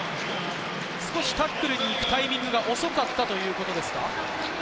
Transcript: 少しタックルに行くタイミングが遅かったということですか？